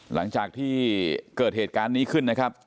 หลังจากที่เกิดเหตุการณ์นี้ขึ้นนะครับ